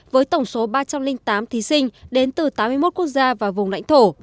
với tổng số ba trăm linh tám thí sinh đến từ tám mươi một quốc gia và vùng lãnh thổ